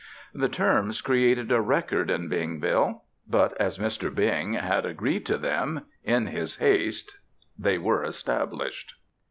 The terms created a record in Bingville. But, as Mr. Bing had agreed to them, in his haste, they were established.